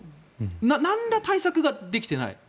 なんら対策ができていない。